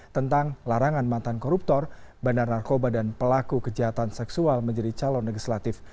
tentang larangan mantan koruptor bandar narkoba dan pelaku kejahatan seksual menjadi calon legislatif